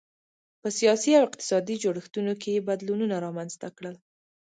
په سیاسي او اقتصادي جوړښتونو کې یې بدلونونه رامنځته کړل.